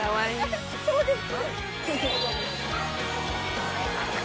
そうです。